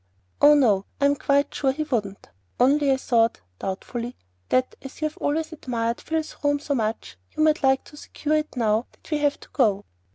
"Oh, no; I'm quite sure he wouldn't. Only I thought," doubtfully, "that as you've always admired Phil's room so much, you might like to secure it now that we have to go."